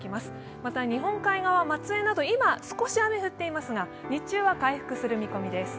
また日本海側、松江など今、少し雨が降っていますが日中は回復する見込みです。